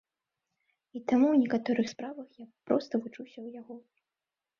І таму ў некаторых справах я проста вучуся ў яго.